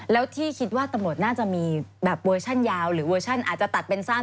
แล้วที่คิดว่าตำรวจน่าจะมีแบบเวอร์ชันยาวหรือเวอร์ชั่นอาจจะตัดเป็นสั้น